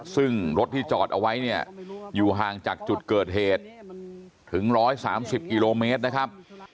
ซึ่งรถที่จอดเอาไว้เนี่ยอยู่ห่างจากจุดเกิดเหตุถึง๑๓๐กิโลเมตรนะครับ